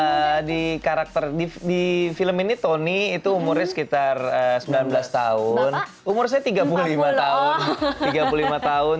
nah di karakter di film ini tony itu umurnya sekitar sembilan belas tahun umur saya tiga puluh lima tahun tiga puluh lima tahun